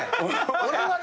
俺はね